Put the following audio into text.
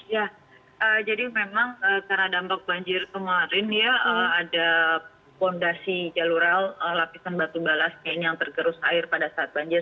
ya jadi memang karena dampak banjir kemarin ya ada fondasi jalural lapisan batu balas yang tergerus air pada saat banjir